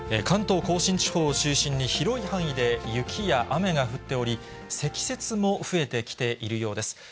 関東甲信地方を中心に広い範囲で雪や雨が降っており、積雪も増えてきているようです。